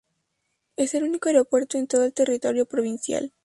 Es el único aeropuerto en toda el territorio provincial.